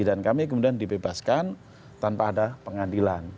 dan kami kemudian dibebaskan tanpa ada pengadilan